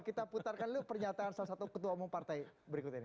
kita putarkan dulu pernyataan salah satu ketua umum partai berikut ini